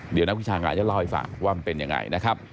เดี๋ยวนักวิชาการจะเล่าให้ฟังว่ามันเป็นยังไงนะครับ